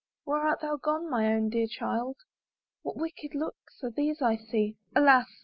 Where art thou gone my own dear child? What wicked looks are those I see? Alas!